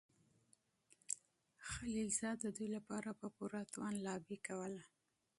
خلیلزاد د دوی لپاره په پوره توان لابي کوله.